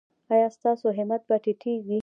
ایا ستاسو همت به ټیټیږي؟